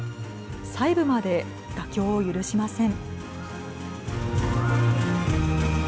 細部まで妥協を許しません。